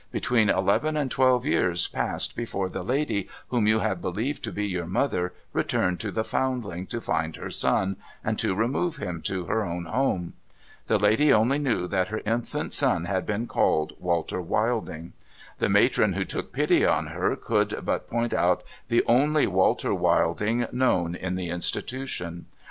Between eleven and twelve years passed before the lady, whom you have believed to be your mother, returned to the Foundling, to find her son, and to remove him to her own home. The lady only knew that her infant had been called " Walter Wilding." The matron who took pity on her, could but point out the only " Walter Wilding" known in the Institution.